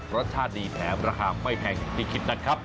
รสชาติดีแถมราคาไม่แพงอย่างที่คิดนะครับ